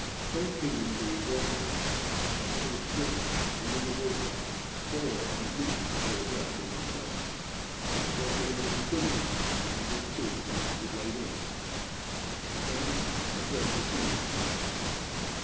So keen, indeed, was he, that he was stripped and in the water four or five minutes before Dirk or myself, and was already swimming when we two started to wade in. And then a dreadful thing happened.